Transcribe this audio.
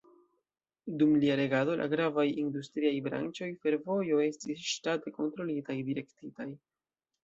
Dum lia regado, la gravaj industriaj branĉoj, fervojo estis ŝtate kontrolitaj, direktitaj.